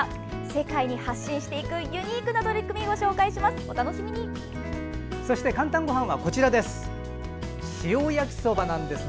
世界に発信していくユニークな取り組みご紹介します。